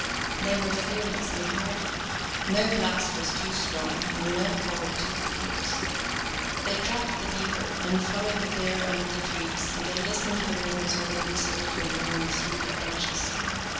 They were fearless and hardy; no blast was too strong and no cold too fierce. 8i They trapped the beaver, and followed the bear under the trees, and they listened to the winds when they whistled or moaned through the branches.